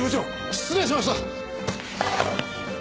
失礼しました！